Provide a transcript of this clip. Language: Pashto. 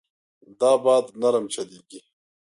دا باد نرم چلېږي.